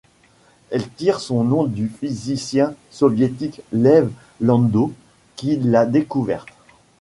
Elle tire son nom du physicien soviétique Lev Landau qui l'a découverte.